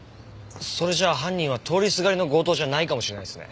それじゃあ犯人は通りすがりの強盗じゃないかもしれないですね。